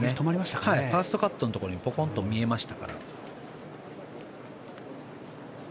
ファーストカットのところにぽこんと見えましたから。